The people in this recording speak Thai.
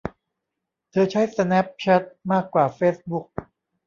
เธอใช้สแนปแชทมากกว่าเฟสบุ๊ค